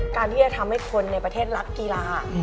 การที่จะทำให้คนในประเทศรักกีฬา